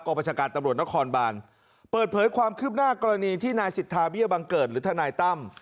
ประชาการตำรวจนครบานเปิดเผยความคืบหน้ากรณีที่นายสิทธาเบี้ยบังเกิดหรือทนายตั้ม